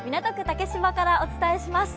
竹芝からお伝えします。